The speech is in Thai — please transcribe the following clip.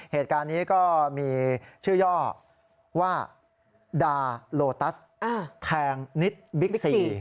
เหตุการณ์นี้ก็มีชื่อย่อว่าดาโลตัสแทงนิดบิ๊กซี